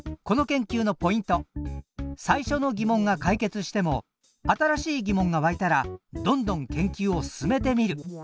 最初の疑問が解決しても新しい疑問が湧いたらどんどん研究を進めてみる。